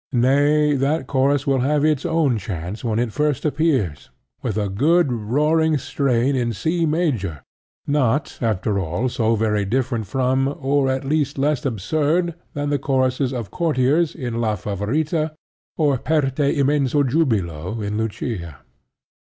Nay, that chorus will have its own chance when it first appears, with a good roaring strain in C major, not, after all, so very different from, or at all less absurd than the choruses of courtiers in La Favorita or "Per te immenso giubilo" in Lucia.